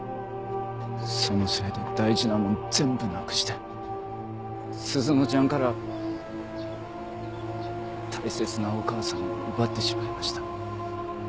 そのせいで大事なものを全部なくして鈴乃ちゃんから大切なお母さんを奪ってしまいました。